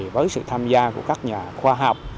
với sự tham gia của các nhà khoa học